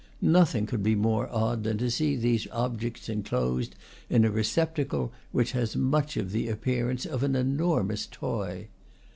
No thing could be more odd than to see these objects en closed in a receptacle which has much of the appear ance of an enormous toy.